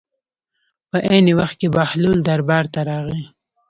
په عین وخت کې بهلول دربار ته راغی.